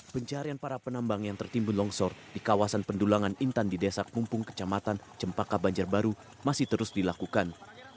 pencarian para penambang yang tertimbun longsor di kawasan pendulangan intan di desa pumpung kecamatan cempaka banjarbaru masih terus dilakukan